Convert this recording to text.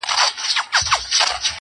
او قاضي ته یې د میني حال بیان کړ!.